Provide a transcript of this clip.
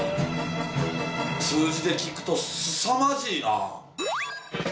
数字で聞くとすさまじいな。